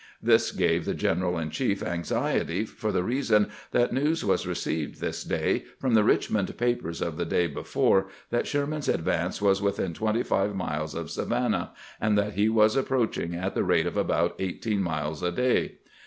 This gave the general in chief anxiety for the reason that news was received this day, from the Eich mond papers of the day before, that Sherman's advance was within twenty five miles of Savannah, and that he was approaching at the rate of about eighteen miles a day.